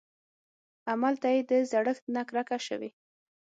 املته يې د زړښت نه کرکه شوې.